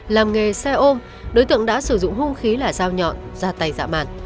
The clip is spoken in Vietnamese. làm nghề xe ôm đối tượng đã sử dụng hô khí là dao nhọn ra tay dạ mạn